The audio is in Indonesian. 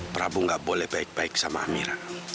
prabu nggak boleh baik baik sama amira